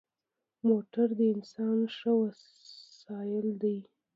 موټر د انسان ښه وسایل دی.